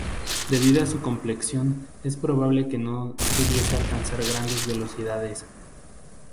Debido a su complexión es probable que no pudiese alcanzar grandes velocidades.